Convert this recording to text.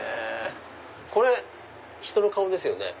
これ人の顔ですよね？